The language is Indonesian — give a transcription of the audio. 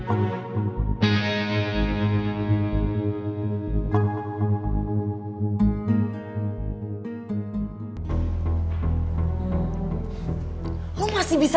ayo kita berdua